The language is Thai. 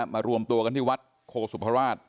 มารวมตัวกันอาทิตย์หวัดโฆฆ์ศุภราวาส